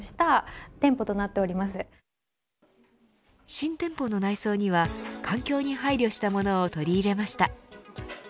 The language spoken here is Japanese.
新店舗の内装には環境に配慮したものを取り入れました。